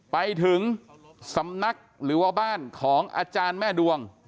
ไปถึงสำนักหรือว่าบ้านของอาจารย์แม่ดวง